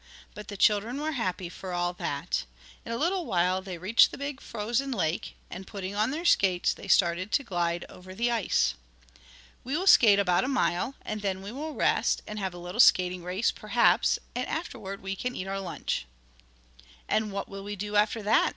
But the children were happy for all that. In a little while they reached the big frozen lake, and, putting on their skates they started to glide over the ice. "We will skate about a mile, and then we will rest, and have a little skating race, perhaps, and afterward we can eat our lunch." "And what will we do after that?"